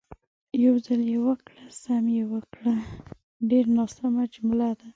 "یو ځل یې وکړه، سم یې وکړه" ډېره ناسمه جمله ده.